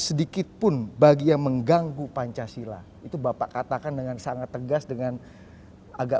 sedikitpun bagi yang mengganggu pancasila itu bapak katakan dengan sangat tegas dengan agak